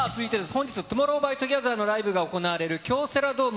本日、ＴＯＭＯＲＲＯＷＸＴＯＧＥＴＨＥＲのライブが行われる京セラドーム